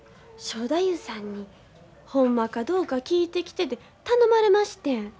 正太夫さんにほんまかどうか聞いてきてて頼まれましてん。